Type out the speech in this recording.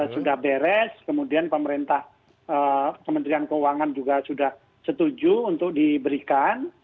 sudah beres kemudian pemerintah kementerian keuangan juga sudah setuju untuk diberikan